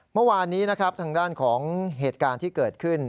เมื่อวานนี้นะครับทางด้านของเหตุการณ์ที่เกิดขึ้น